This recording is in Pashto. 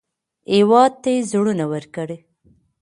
هېواد ته زړونه ورکړئ